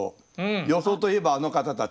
予想といえばあの方たち。